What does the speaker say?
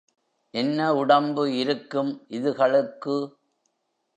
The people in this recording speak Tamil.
என்ன உடம்பு இருக்கும் இதுகளுக்கு?